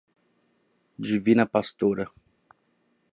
Divina Pastora